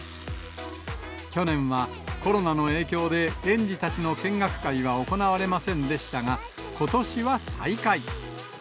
去年はコロナの影響で園児たちの見学会は行われませんでしたが、ことしは再開。